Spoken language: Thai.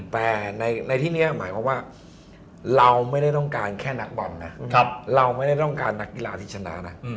แต่ในที่นี้หมายความว่าเราไม่ได้ต้องการแค่นักบอลนะเราไม่ได้ต้องการนักกีฬาที่ชนะนะ